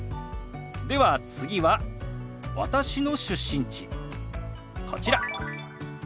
では次は私の出身地こちら。